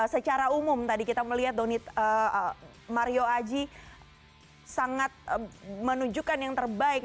secara umum tadi kita melihat mario aji sangat menunjukkan yang terbaik